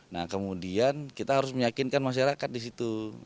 nah kemudian kita harus meyakinkan masyarakat di situ